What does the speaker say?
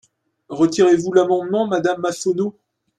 Retirez-vous l’amendement, madame Massonneau ?